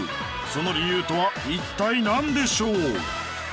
その理由とは一体なんでしょう？